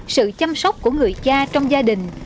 sự chăm sóc của người cha trong gia đình